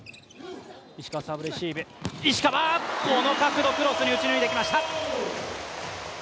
この角度、クロスに打ち抜いてきました。